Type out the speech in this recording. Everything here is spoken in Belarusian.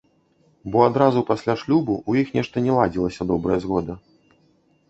Бо адразу пасля шлюбу ў іх нешта не ладзілася добрая згода.